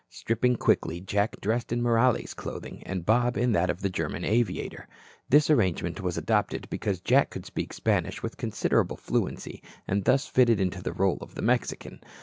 Stripping quickly, Jack dressed in Morales' clothing and Bob in that of the German aviator. This arrangement was adopted because Jack could speak Spanish with considerable fluency and thus fitted into the role of the Mexican.